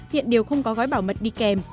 hiện đều không có gói bảo mật địch